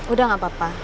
udah gak apa apa